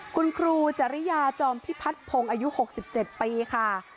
คุณครูจริยาจอมพิพัฒนพงศ์อายุ๖๗ปีค่ะ